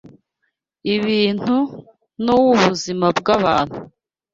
ibintu n’uw’ubuzima bw’abantu